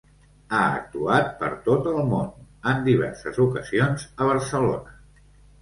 Ha actuat per tot el món, en diverses ocasions a Barcelona.